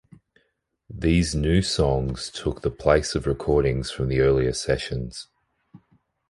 These new songs took the place of recordings from the earlier sessions.